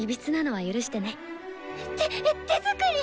てっ手作り！？